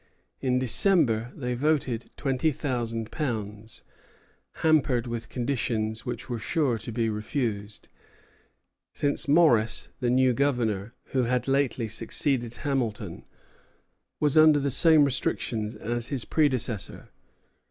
In December they voted twenty thousand pounds, hampered with conditions which were sure to be refused, since Morris, the new governor, who had lately succeeded Hamilton, was under the same restrictions as his predecessor.